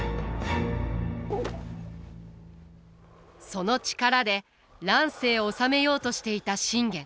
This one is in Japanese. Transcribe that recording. その力で乱世を治めようとしていた信玄。